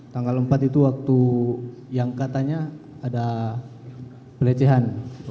tanggal empat itu waktu yang katanya ada pelecehan